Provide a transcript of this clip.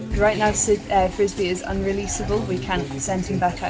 sekarang frisbee tidak bisa dikeluarkan kita tidak bisa mengirimnya ke dunia karena dia berada di luar